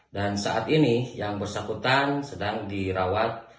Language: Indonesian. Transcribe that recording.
dan saat ini yang bersangkutan sedang dirawat